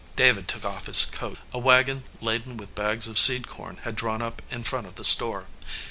David took off his coat. A wagon laden with bags of seed corn had drawn up in front of the store.